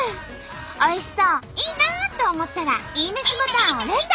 おいしそういいなと思ったらいいめしボタンを連打。